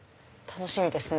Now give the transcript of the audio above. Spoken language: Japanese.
楽しみですね！